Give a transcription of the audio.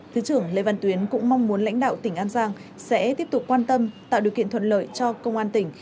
thứ trưởng lê văn tuyến cũng mong muốn lãnh đạo tỉnh an giang sẽ tiếp tục quan tâm tạo điều kiện thuận lợi cho công an tỉnh